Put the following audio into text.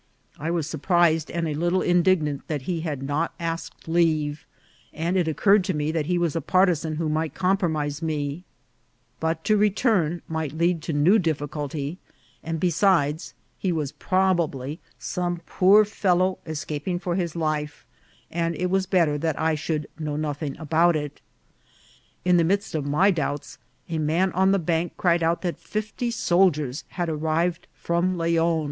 I was surprised and a little indignant that he had not asked leave, and it occurred to me that he was a partisan who might compromise me ; but to return might lead to new difficulty, and, besides, he was probably some poor fellow escaping for his life, and it was better that I should know nothing about it. In the midst of my doubts a man on the bank cried out that fifty soldiers had ar rived from Leon.